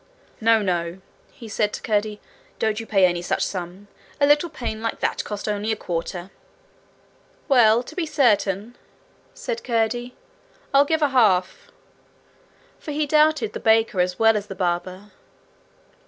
'No, no,' he said to Curdie; 'don't you pay any such sum. A little pane like that cost only a quarter.' 'Well, to be certain,' said Curdie, 'I'll give a half.' For he doubted the baker as well as the barber.